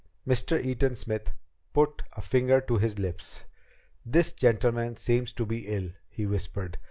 Mr. Eaton Smith put a finger to his lips. "This gentleman seemed to be ill," he whispered.